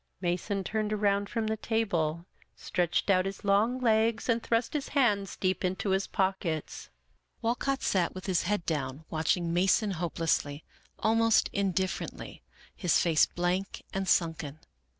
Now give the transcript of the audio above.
Mason turned around from the table, stretched out his long legs, and thrust his hands deep into his pockets. Wal cott sat with his head down, watching Mason hopelessly, almost indifferently, his face blank and sunken.